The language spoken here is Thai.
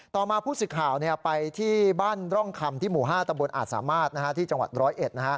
ต่อมาผู้สื่อข่าวไปที่บ้านร่องคำที่หมู่๕ตำบลอาจสามารถที่จังหวัดร้อยเอ็ด